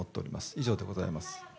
以上でございます。